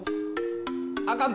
あかん！